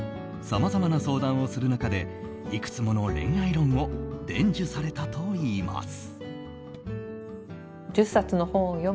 さまざまな相談をする中でいくつもの恋愛論を伝授されたといいます。